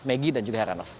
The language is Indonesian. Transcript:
megi dan juga heranov